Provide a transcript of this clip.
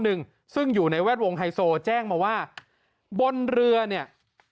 หนึ่งซึ่งอยู่ในแวดวงไฮโซแจ้งมาว่าบนเรือเนี่ย